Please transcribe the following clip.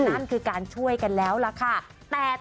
นั่นคือการช่วยกันแล้วล่ะค่ะ